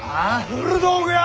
古道具屋？